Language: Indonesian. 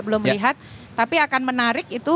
belum melihat tapi akan menarik itu